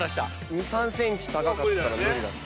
２３ｃｍ高かったら無理。